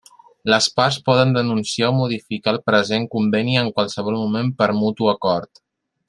Les parts poden denunciar o modificar el present conveni en qualsevol moment per mutu acord.